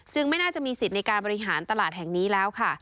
ไม่น่าจะมีสิทธิ์ในการบริหารตลาดแห่งนี้แล้วค่ะ